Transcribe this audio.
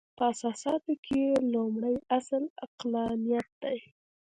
په اساساتو کې یې لومړۍ اصل عقلانیت دی.